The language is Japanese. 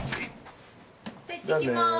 じゃいってきます。